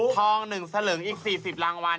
ทอง๑สลึงอีก๔๐รางวัล